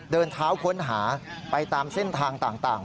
เดินเท้าค้นหาไปตามเส้นทางต่าง